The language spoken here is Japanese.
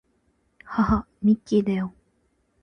はは、ミッキーだよ